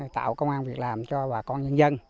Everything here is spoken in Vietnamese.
tạo công an việc làm cho bà con nhân dân